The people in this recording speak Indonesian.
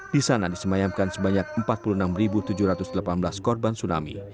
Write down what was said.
di sana disemayamkan sebanyak empat puluh enam tujuh ratus delapan belas korban tsunami